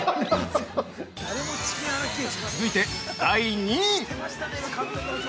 ◆続いて、第２位。